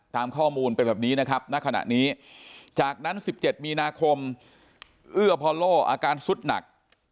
ตามข้อมูลเป็นแบบนี้นะครับณขณะนี้จากนั้น๑๗มีนาคมเอื้อพอโลอาการสุดหนัก